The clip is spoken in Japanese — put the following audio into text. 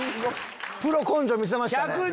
プロ根性見せましたね。